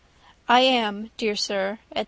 "I am, dear sir," etc.